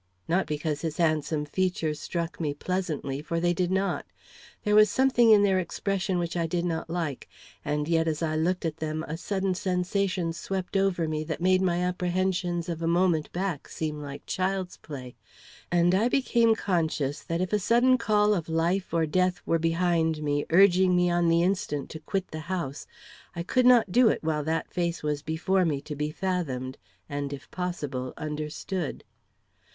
Not because his handsome features struck me pleasantly, for they did not. There was something in their expression which I did not like, and yet as I looked at them a sudden sensation swept over me that made my apprehensions of a moment back seem like child's play, and I became conscious that if a sudden call of life or death were behind me urging me on the instant to quit the house, I could not do it while that face was before me to be fathomed, and, if possible, understood.